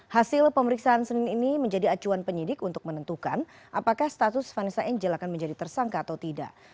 hasil pemeriksaan senin ini menjadi acuan penyidik untuk menentukan apakah status vanessa angel akan menjadi tersangka atau tidak